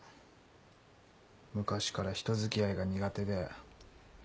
昔から人付き合いが苦手で。